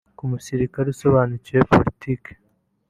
nk’umusirikare usobanukiwe politiki